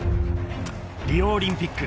［リオオリンピック。